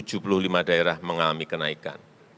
daging ayam beras tujuh puluh lima daerah mengalami kenaikan